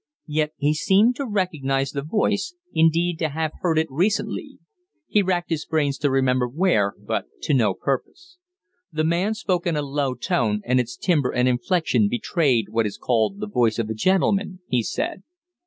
Yet he seemed to recognize the voice, indeed, to have heard it recently. He racked his brains to remember where, but to no purpose. The man spoke in a low tone, and its timbre and inflection betrayed what is called the voice of a gentleman, he said.